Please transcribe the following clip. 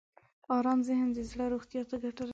ارام ذهن د زړه روغتیا ته ګټه رسوي.